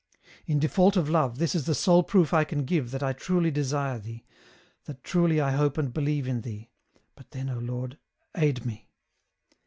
*' In default of love, this is the sole proof I can give that I truly desire Thee, that truly I hope and believe in Thee, but then, O Lord, aid me."